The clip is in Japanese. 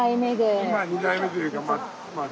まあ２代目というかまあ